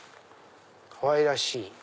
かわいらしい。